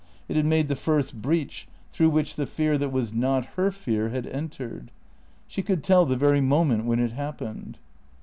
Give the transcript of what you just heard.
It had made the first breach through which the fear that was not her fear had entered. She could tell the very moment when it happened.